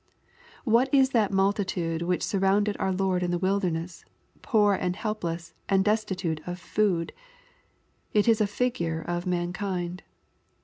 What is that multitude vhich surrounded our Lord in the wilderness, poor and helpless, and destitute of food ? It is a figure of mankind.